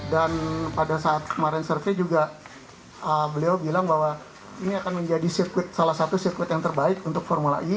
pada saat kemarin survei juga beliau bilang bahwa ini akan menjadi sirkuit salah satu sirkuit yang terbaik untuk formula e